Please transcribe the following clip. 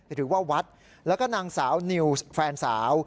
หรือว่าวัดแล้วก็นางสาวนิวส์แฟนสาว